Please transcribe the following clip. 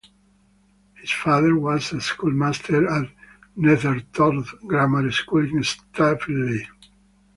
His father was a school master at Netherthorpe Grammar School in Staveley.